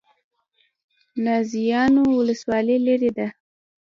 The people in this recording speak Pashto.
نازیانو ولسوالۍ لیرې ده؟